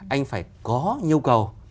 anh phải có nhu cầu